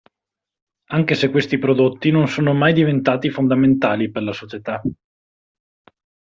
Anche se questi prodotti non sono mai diventati fondamentali per la società.